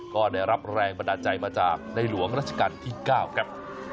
ก็ได้รับแรงบันดาลใจมาจากในหลวงราชการที่๙ครับ